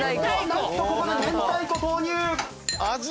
なんとここで明太子投入！